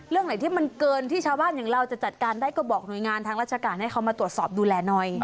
เรื่องไหนที่มันเกินที่ชาวบ้านอย่างเราจะจัดการได้ก็บอกหน่วยงานทางราชการให้เขามาตรวจสอบดูแลหน่อย